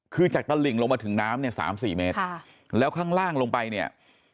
คือจากตลิ่งลงมาถึงน้ำเนี่ย๓๔เมตรแล้วข้างล่างลงไปเนี่ย